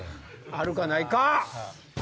あるかないか。